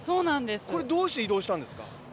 これ、どうして移動したんですか？